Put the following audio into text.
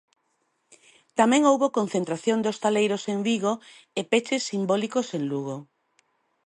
Tamén houbo concentración de hostaleiros en Vigo e peches simbólicos en Lugo.